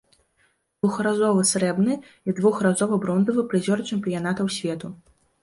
Двухразовы срэбны і двухразовы бронзавы прызёр чэмпіянатаў свету.